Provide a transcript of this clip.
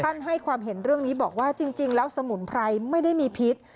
ให้ความเห็นเรื่องนี้บอกว่าจริงแล้วสมุนไพรไม่ได้มีพิษ